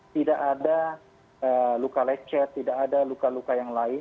tidak ada luka lecet tidak ada luka luka yang lain